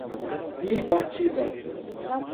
Ibatiba